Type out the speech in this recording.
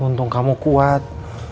untung kamu kuat